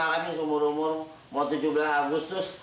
lagi umur umur mau tujuh belas agustus